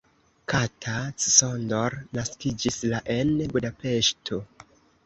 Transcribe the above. Kata Csondor naskiĝis la en Budapeŝto.